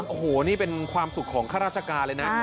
โอ้โหนี่เป็นความสุขของข้าราชการเลยนะ